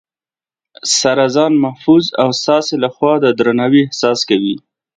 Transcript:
سره ځان محفوظ او ستاسې لخوا د درناوي احساس کوي